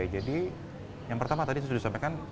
jadi yang pertama tadi sudah disampaikan